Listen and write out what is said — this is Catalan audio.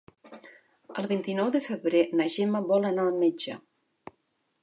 El vint-i-nou de febrer na Gemma vol anar al metge.